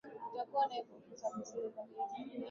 nitakuwa naye profesa mwesiga baregu